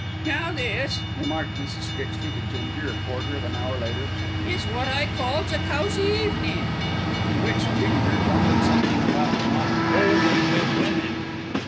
"Now this," remarked Mrs. Stitchley to Ginger a quarter of an hour later, "is wot I calls a cosy evenin'." To which Ginger grumbled something about not "'oldin' wiv women."